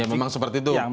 ya memang seperti itu